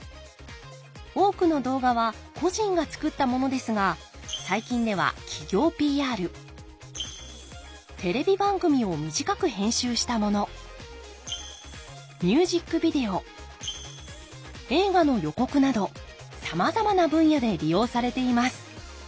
多くの動画は個人が作ったものですが最近では企業ＰＲテレビ番組を短く編集したものミュージックビデオ映画の予告などさまざまな分野で利用されています。